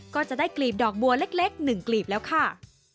ก็จะได้กลีบดอกบัวเล็ก๑กลีบแล้วค่ะ